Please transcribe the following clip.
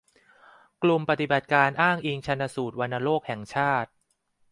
กลุ่มปฏิบัติการอ้างอิงชันสูตรวัณโรคแห่งชาติ